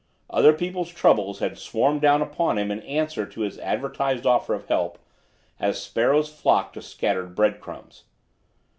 Other people's troubles had swarmed down upon him in answer to his advertised offer of help, as sparrows flock to scattered bread crumbs.